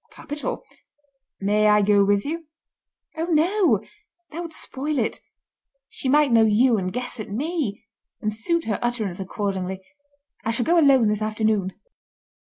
"Capital. May I go with you?" "Oh, no! That would spoil it. She might know you and guess at me, and suit her utterance accordingly. I shall go alone this afternoon."